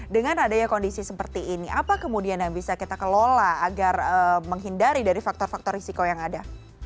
dengan adanya kondisi seperti ini apa kemudian yang bisa kita kelola agar menghindari dari faktor faktor risiko yang ada